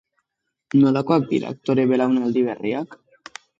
Nolakoak dira aktore belaunaldi berriak?